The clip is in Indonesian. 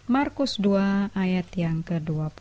markus dua ayat yang ke dua puluh